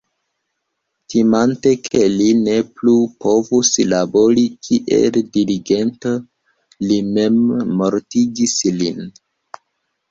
Timante ke li ne plu povus labori kiel dirigento li memmortigis lin.